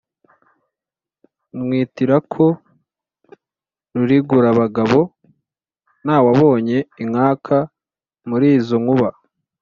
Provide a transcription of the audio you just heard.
Nywitira ko Rurigurabagabo; nawubonye inkaka muri izo nkuba,